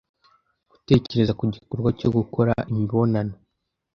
gutekereza ku gikorwa cyo gukora imibonano